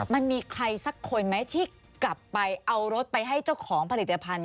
มันมีใครสักคนไหมที่กลับไปเอารถไปให้เจ้าของผลิตภัณฑ์